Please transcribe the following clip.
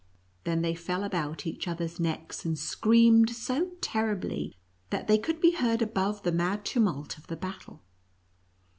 Then they fell about each, other's necks, and screamed so terribly, that they could be heard above the mad tumult of the battle.